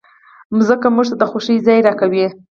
مځکه موږ ته د خوښۍ ځای راکوي.